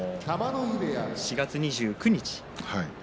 ４月２９日。